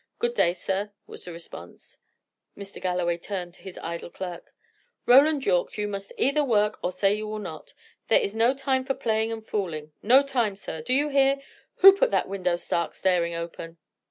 "Good day, sir," was the response. Mr. Galloway turned to his idle clerk. "Roland Yorke, you must either work or say you will not. There is no time for playing and fooling; no time, sir! do you hear? Who put that window stark staring open?"